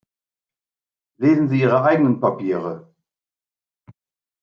Lesen Sie Ihre eigenen Papiere!